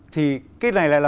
thì cái này lại là